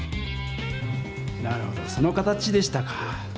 なるほどその形でしたか！